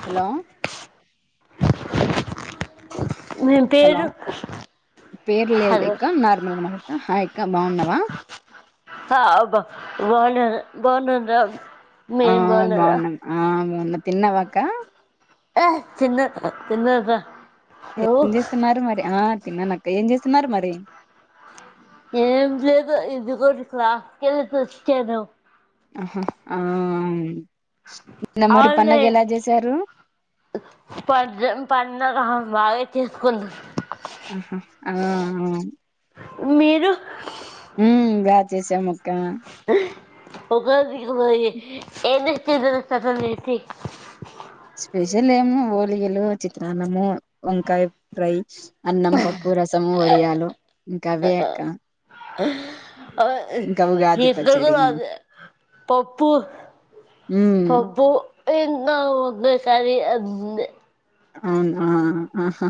Hello మీ hello పేరు పేర్లే హలో ఇక నార్మల్ గా మాట్లాడతా హాయ్ ఇంకా బాగున్నావా హబ్బా బ బ బాగున్నాను ర ఆ బాగున్నాం ఆ బాగున్నా తిన్నావక్క ఏ తిన తిన్నలేరా ఏం చేస్తున్నారు మరి ఆ తిన్నానక్క ఏం చేస్తున్నారు మరి ఏం లేదు ఇది కూడా క్లాస్కెల్లి తెచ్చను ఆహా ఆ మరి అవులే పండగ ఎలా చేశారు ప [unintelligible] వాగా తీసుకుంద ఆహా ఆ మీరు చేసానక్క ఒకకకు ఎన్ని [unintelligible] లేసి స్పెషల్ ఏం [unintelligible] చిత్ర అన్నము వంకాయ ఫ్రై అన్నం పప్పు రసము వడియాలు ఇంకా అవే అక్క అ ఇంకా మీ ఉగాది ఇద్దరికి పచ్చడి రాజ పప్పు ఉమ్ పబ్బు ఎంద అదేసారి అ అవునా ఆహా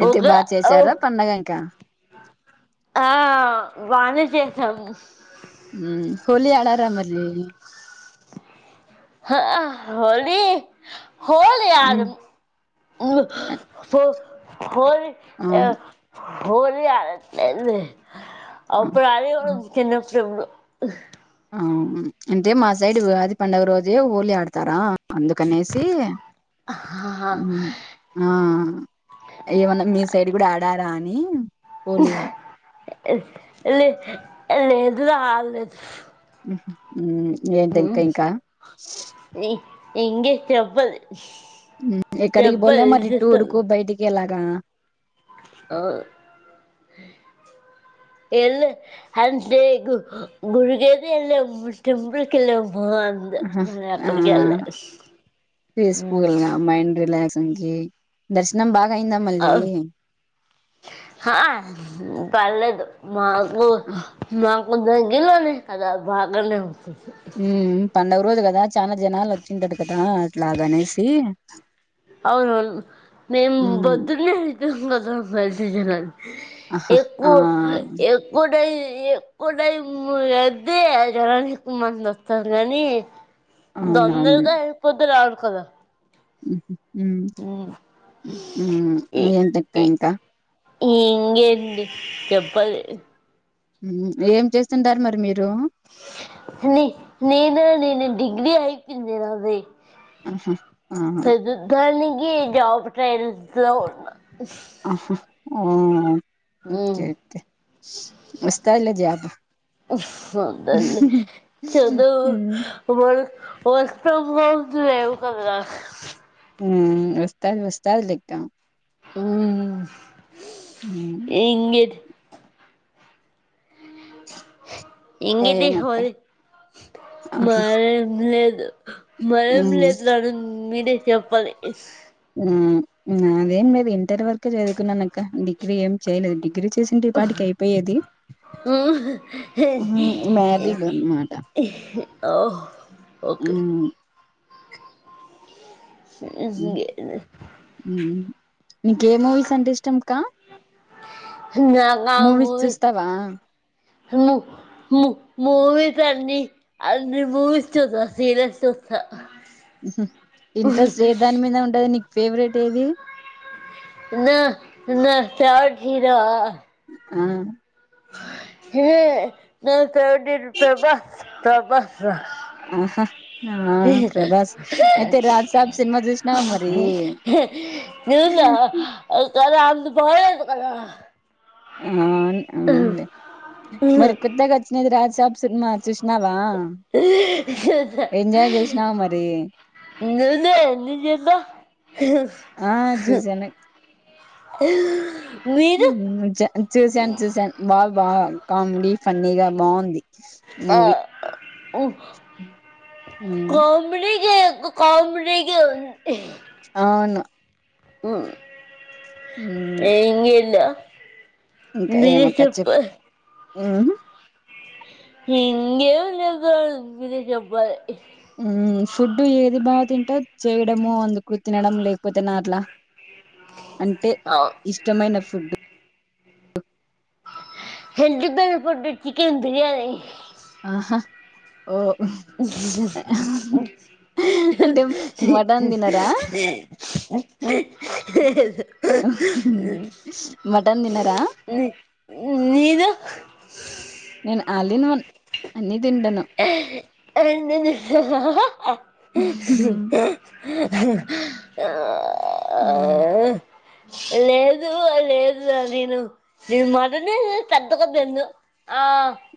అయితే బాగా చేసారా ఒక పండగ ఇంకా ఆ బానే చేసాము ఆ హోలీ ఆడారా మరి హా హోలీ హోలీ హ్మ్. ఆడమ్ ఉమ్ హో హోలి ఆ అవును. హోలి ఆడను లేండి ఆ! అప్పుడు ఆ! ఆడేవాళ్ళం చిన్నప్పుడు ఎప్పుడో ఆ అంటే మా సైడ్ ఉగాది పండుగ రోజే హోలీ ఆడతారా అందుకనేసి ఆ ఏమన్న మీ సైడ్ కూడా ఆ డతారా అని హోలీ లే లేదు ఆడలేదు ఉహు ఉమ్ ఏంటి ఇంకా ఇంకా ఇంకేం చెప్పండి ఎక్కడికి పోలే మరి విశేషాలు టూరుకు బయటికి అలాగా ఆ ఎల్లలేదు అంటే గుడికైతే ఎల్లాం టెంపుల్కెళ్ళాం అహ ఆ పీస్ఫుల్గా మైండ్ రీలాక్స్ దర్శనం బాగా అయిందా అ మళ్ళీ హా పర్లేదు మాకు ఆ మాకు దగ్గర్లోనే కదా బాగానే ఉంది ఉమ్ పండుగ రోజు కదా చాలా జనాలు వచ్చుంటారు కదా అట్లాగనేసి అవునవును మేం హ్మ్. పొద్దున్నే వెళ్ళిపోయాం కదా దర్శనానికి ఆహా! ఆ! ఎక్కువ ఎక్కువ టైమ్ ఎక్కువ టైం అయితే జనాలు ఎక్కువ మంది వస్తారు అని అవునవును. తొందరగా వెళ్ళిపోతున్నాం కదా ఉహు ఉమ్ ఏంటి ఇంకా ఇంకా ఇంకేంటి చెప్పాలి ఏం చేస్తుంటారు మరి మీరు నే నేను డిగ్రి అయిపోయింది నాది ఆహా! ఆహా! ప్రస్తుతానికి జాబ్ ట్రయల్స్ లో ఉన్న ఆహా ఓ ఉమ్ ఓకే ఓకే వస్తాదిలే జాబ్ వస్తాదిలే హ్మ్. చదువు మళ్ళీ [unintelligible] లేవు కద నాకు వస్తాది వస్తాది లేక్క ఉమ్ హ్మ్. ఇంకేంటి ఇంకా ఇంకేటి ఏమక్క? హాలీ ఆహా! మాదేం లేదు మాదేం హ్మ్. లేదు రా మీది చెప్పాలి ఆ నాదెం లేదు ఇం ఇంటర్ వరకే చదువుకున్నానక్క డిగ్రీ ఏం చేయలేదు డిగ్రీ చేసుంటే ఈ పాటికి అయిపోయేది అహ మాది [unintelligible] మాట ఓహ్ ఉమ్ సరే హ్మ్. సరే హ్మ్. నీకే మూవీస్ అంటే ఇష్టం అక్కా నాకా మూవీస్ ము ము మూవీస్ అన్నీ అన్నీ మూవీస్ చూసా సీరియల్స్ సా ఉహు ఇంట్రెస్ట్ ఏ దాని మీద ఉంటది నీకు ఫేవరెట్ ఏది న్న నా క్యాచ్ చీరా ఆ న బస్ ప్ర తెబ తెబ ఆహ ఆ ప్రభాస్ అయితే రాజ్సబ్ సినిమా చూసినావా మరి చూసావా ఒక్కసారి అది బాలేదుకదా అను అవునులే మరి కొత్తగా వచ్చినది రాజసాప్ సినిమా చూసినావా ఎంజాయ్ చేసినావా మరి? [unintelligible] ఇ ఎన్ని చెందా చూసాన్ చూసాన్ బంధీ బంధీ కామెడి ఫన్నీగా బాగుంది ఆ మూవీ ఉమ్, కామెడీ ఇ కామిడిగ ఉంది అవును హ్మ్ ఉమ్, ఎంగిల ఇంకా ఏమక్క చెప్ హింగే లే మీరే చెప్పాలి ఫుడ్ ఏది బాగా తింటారు చేయడము అందుకు తినడం లేకపోతే నాట్లా అంటే ఇష్టమైన ఫుడ్ ఇష్టమైన ఫుడు చికెన్ బిర్యానీ ఆహా ఓ అంటే మటన్ తినరా [unintelligible] మటన్ తినరా [unintelligible] మీదో నేను అల్ ఇన్ వన్ అన్నీ రన్న ఆ లేదు లేదు నేను నీ మాటనే పెద్ద కొద్ద్ద ఎందు ఆ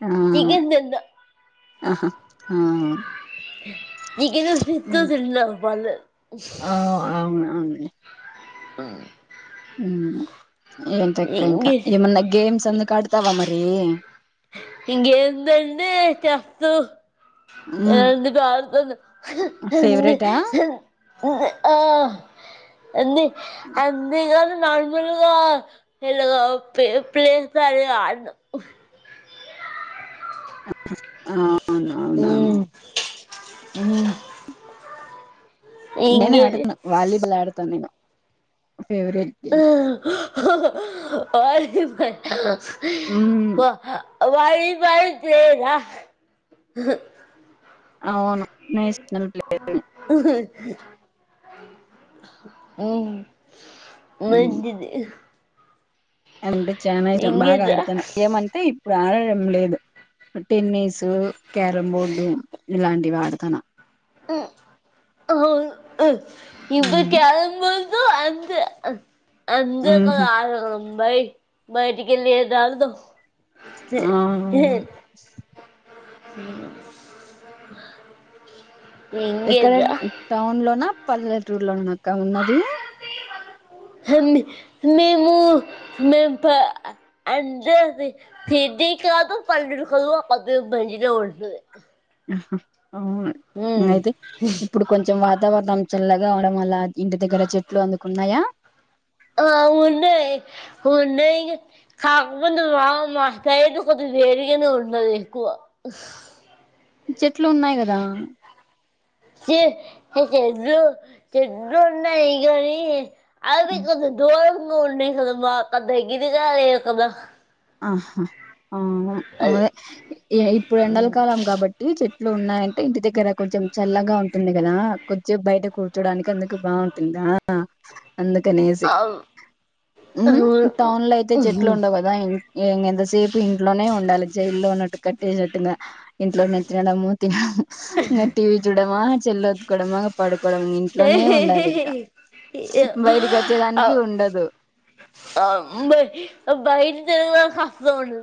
ఆ చికెన్ తింనదు ఆహా నక ఫత ఆ పాల ఆ అవును అవునులే ఆ ఉ ఏంతక్క ఇంకా ఇంకే ఏమన్నా గేమ్స్ అందు కడతావా మరి ఇంకేందండి కేఫ్ట్ హ్మ్. ఇందాక ఆడుకున్నాము ఫేవరెటా? ఆ ఎ అన్ని నార్మల్గా ప పలే పారల అధీనం అవున అవునవును హ్మ్మ్ నేను ఆడతున్నా వాలీబాల్ ఆడతాను నేను ఫేవరెట్ గేమ్. వొలీబాల్ హ్మ్మ్ వాలీబాల్ గేమ్ ఆ అవును నేషనల్ ప్లే. [unintelligible] ఉమ్ హ్మ్. ఏంటిది అంటే చాలాఇష్టం బాగా ఇంకేదా ఆడతాను ఏమంటే ఇప్పుడు ఆడడం లేదు టెన్నిస్ క్యారం బోర్డు ఇలాంటివి అడాతాన ఇంట్లో హ్మ్. కరొమ్ బోర్డు ఎ అంత అంతగ హుహు. ఆడడం బై బైటికెళ్ళి యద్ ఆడదం ఆ ఇ ఎక్కడ టౌన్ లోనా పల్లెటూర్లోన అక్క ఉన్నది హండి మేము మేమ్ ప అ జరి ఇది కాదు పల్దుల్ కాదు ఒక్కటే బండి జో ఉంటది అవును అయితే ఇప్పుడు కొంచెం వాతావరణం చల్లగా అవ్వడం వల్ల ఇంటి దగ్గర చెట్లు అందుకున్నాయా అవును ఉన్నాయ్ కాకపోతే మా వుమ క ఎదో కొద్దిగా వేడిగానే ఉన్నాది ఎక్కువ చెట్లు ఉన్నాయి కదా చె చెట్లు చెట్లు ఉన్నాయి కానీ అవి కొంచం దూరంగా ఉన్నయ్ కద మాకు దగ్గరగా లేవు కద ఆహా ఆ అదే ఇప్పుడు ఎండల కాలం కాబట్టి చెట్ ట్లు ఉన్నాయంటే ఇంటి దగ్గర కొంచెం చల్లగా ఉంటుంది కదా కొంచెం బయట కూ ర్చోడానికి అందుకు బావుంటుందా అందుకనేసి హ్మ్ టౌన్ లో అయితే చెట్లు ఉండవు కదా ఇ ఎ ఎంతసేపు ఇంట్లోనే ఉండాలి జైల్లో ఉన్నట్టు కట్టేసినట్టుగా ఇంట్లోనే తినడము తిన ఇంకా టీవీ చూడమా చెల్లత్కోడమా పడు కుడం ఇంట్లోనే ఉండాలి ఇంకా బయటకి వచ్చేదానికి ఉండదు ఆ బయ్ బయిట తిరగడానికి అస్సలు ఉండదు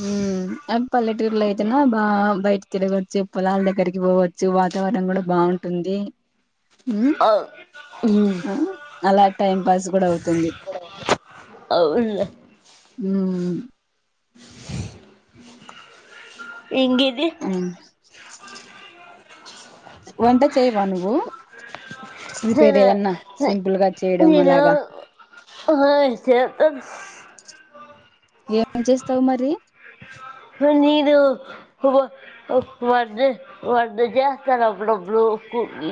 హ్మ్ అ పల్లెటూర్లో అయితనా బా బయట తిరగొ చ్చ పొలాల దగ్గరికి పోవచ్చు వాతావరణం కూడా బావుంటుంది హ్మ్ అలా టైం పాస్ గూడా అవుతుంది అవును హ్మ్ ఇంకేంటి ఉమ్ వంట చేయవా నువ్వు ప్రిపేర్ నేను ఏదన్నా సింపుల్ గా చేయడం అలాగా ఆ చెత్తను ఏం చేస్తావు మరి ఆ నేను వ వట వంట జేస్తాను అప్పుడప్పుడు కు కి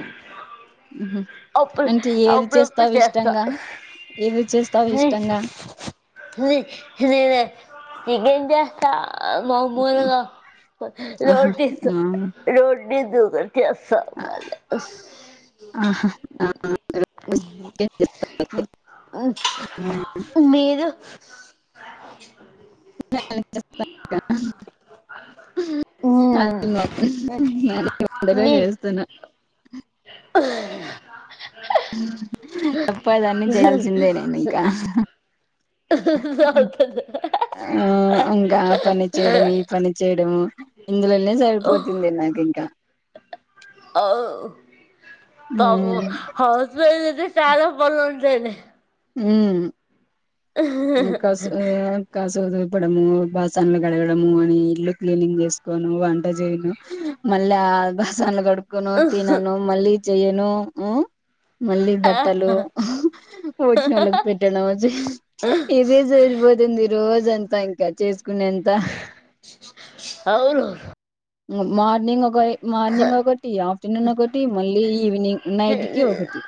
అంటే ఏం చేస్తావు చేస్తా ఇష్టంగా ఏది చేస్తావు ఇష్టంగా హిలి హినే న చికెన్ చేస్త మమూలుగా ఆహా రోటీస్ రోటి ది దు వరకే చేస్తా ఆ వంట ఆహా ఆ మీరూ [unintelligible] అ మ్, నొ నేను ఈ వంటలే చేస్తున్నా ఆ తప్పదన్ని జేయాల్సిందే నేను ఇంకా అవుతుంది ఆ ఇంకా ఆ పని చేయడం ఈ పని చేయడం ఇందులోనే సరిపోతుంది నాకింకా అవ్ తము ఉమ్ హస్బెడ్ చాలా పనులుంటాయి లే ఉమ్ కాసు కాసు దుల పడము బాసన్లు గడగడం అని ఇల్లు క్లీనింగ్ చేసుకోను వంట చేయను మళ్ళ ఆ బాసన్లు గడు కును తినను మళ్ళీ చెయను మళ్ళీ బట్టలు పోట్న వాళ్ళకి పెట్టడం ఇదే సరిపోతుంది రోజంతా ఇంకా చేస్ కునింత అవును మార్నింగ్ ఒక మార్నింగ్ ఒకటి ఆఫ్టర్నూన్ ఒకటి మళ్ళీ ఈవినింగ్ నైట్కి ఒకటి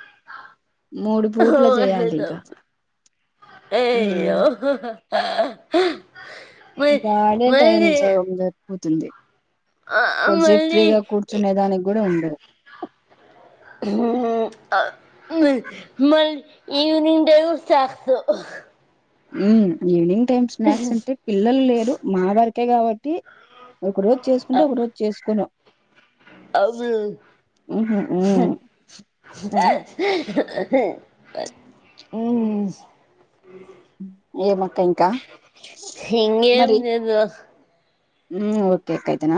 మూడు పూట్ల చేయాలి ఇంక అయ్యో మ గాడే టైమ్ మళ్ళీ సగం జరిపోతుంది కొంచెపు మళ్ళీ ఫ్రీగా కూర్చునే దానికి కూడా ఉండదు ఆ ఈవినింగ్ టైం కి చేస్తావ్ ఈవినింగ్ టైమ్ స్నాక్స్ అంటే పిల్లలు లేరు మా వరకే కావట్టి టి ఒక రోజు చేసుకుంటే ఒక రోజు చేసుకొను అవును [inaudible] ఏమక్క ఇంకా ఇంగా ఏం మరి లేదు ఓకే కైతన